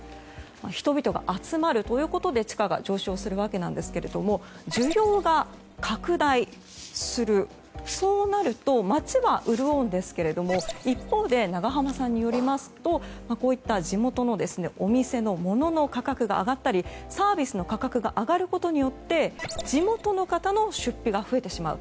人々が集まるということで地価が上昇するわけなんですけど需要が拡大すると街は潤うんですけども一方で永濱さんによりますとこうした地元のお店のものの価格が上がったりサービスの価格が上がることによって地元の方の出費が増えてしまう。